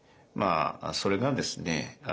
それがですね